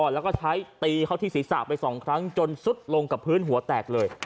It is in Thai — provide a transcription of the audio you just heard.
แล้วก็ใช้ตีเขาที่ศีรษะไปสองครั้งจนสุดลงกับพื้นหัวแตกเลย